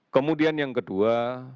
kemudian yang kedua